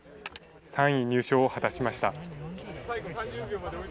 ３位入賞を果たしました。